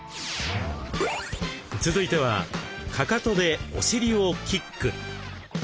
続いてはかかとでお尻をキック。